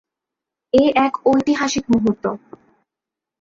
এ এক ঐতিহাসিক মুহূর্ত!